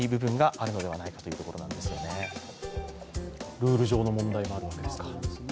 ルール上の問題があるわけですか。